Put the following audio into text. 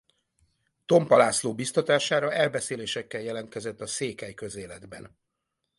Tompa László biztatására elbeszélésekkel jelentkezett a Székely Közéletben.